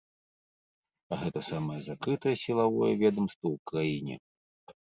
Гэта самае закрытае сілавое ведамства ў краіне.